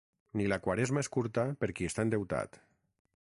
Ni la Quaresma és curta per qui està endeutat.